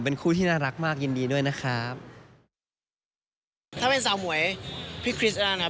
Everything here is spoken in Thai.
เป็นคู่ที่น่ารักมากยินดีด้วยนะครับถ้าเป็นสาวหมวยพี่คริสต์ได้นะครับ